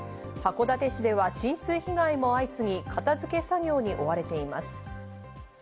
函館市では浸水被害も相次ぎ、片付け作業に追われています。